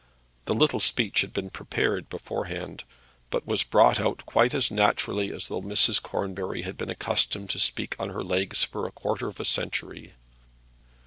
The little speech had been prepared beforehand, but was brought out quite as naturally as though Mrs. Cornbury had been accustomed to speak on her legs for a quarter of a century.